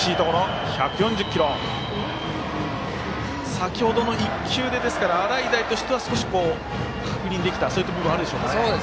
先ほどの１球で洗平としては少し確認できたそういった部分はあるでしょうか。